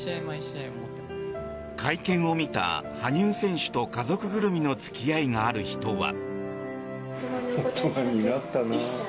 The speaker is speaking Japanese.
会見を見た羽生選手と家族ぐるみの付き合いがある人は。